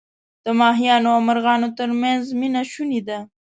د ماهیانو او مرغانو ترمنځ مینه شوني ده.